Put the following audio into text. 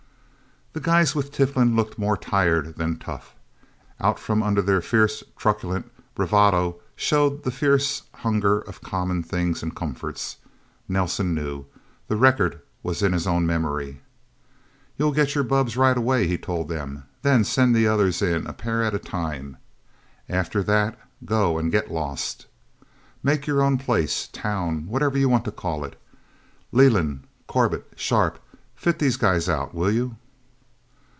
The guys with Tiflin looked more tired than tough. Out from under their fierce, truculent bravado showed the fiercer hunger for common things and comforts. Nelsen knew. The record was in his own memory. "You'll get your bubbs right away," he told them. "Then send the others in, a pair at a time. After that, go and get lost. Make your own place town whatever you want to call it... Leland, Crobert, Sharpe fit these guys out, will you...?"